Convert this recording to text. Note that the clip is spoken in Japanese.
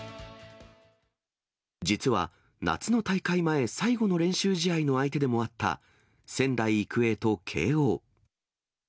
実は、夏の大会前、最後の練習試合の相手でもあった仙台育英と慶応。